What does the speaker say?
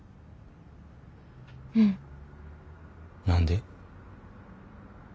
うん。何で？